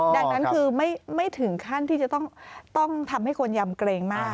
ดังนั้นคือไม่ถึงขั้นที่จะต้องทำให้คนยำเกรงมาก